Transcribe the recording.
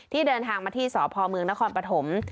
เดินทางมาที่สพเมืองนครปฐม